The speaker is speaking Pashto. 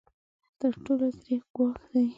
تر ټولو تریخ ګواښ دی.